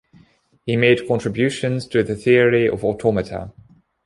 He made contributions to the theory of automata.